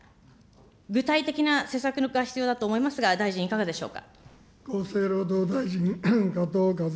具体的な施策が必要だと思いますが、大臣、いかがでしょうか。